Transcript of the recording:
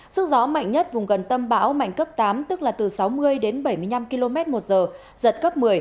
sức gió mạnh nhất vùng gần tâm bão mạnh cấp tám tức là từ sáu mươi đến bảy mươi năm km một giờ giật cấp một mươi